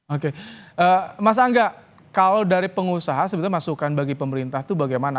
oke mas angga kalau dari pengusaha sebetulnya masukan bagi pemerintah itu bagaimana